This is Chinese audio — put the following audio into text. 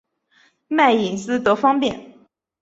卖隐私得方便